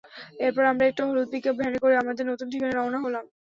এরপর আমরা একটা হলুদ পিকআপ ভ্যানে করে আমাদের নতুন ঠিকানায় রওনা হলাম।